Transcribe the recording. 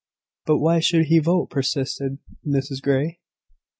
"But why should he vote?" persisted Mrs Grey.